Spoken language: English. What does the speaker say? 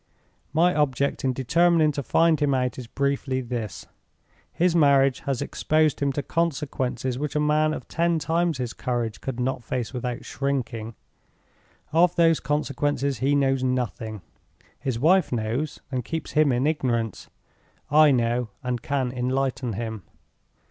"My object in determining to find him out is briefly this. His marriage has exposed him to consequences which a man of ten times his courage could not face without shrinking. Of those consequences he knows nothing. His wife knows, and keeps him in ignorance. I know, and can enlighten him.